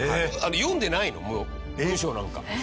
読んでないのもう文章なんか。